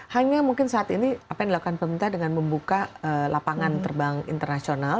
hanya mungkin saat ini apa yang dilakukan pemerintah dengan membuka lapangan terbang internasional